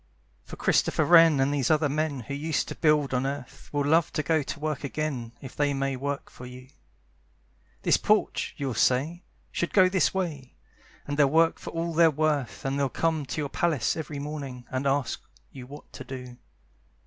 For Christopher Wren and these other men Who used to build on earth Will love to go to work again If they may work for you. "This porch," you'll say, "should go this way!" And they'll work for all they're worth, And they'll come to your palace every morning, And ask you what to do.